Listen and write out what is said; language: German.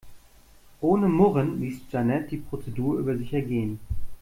Ohne Murren ließ Jeanette die Prozedur über sich ergehen.